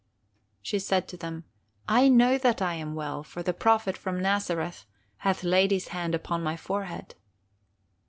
"She said to them: 'I know that I am well, for the Prophet from Nazareth hath laid his hand upon my forehead.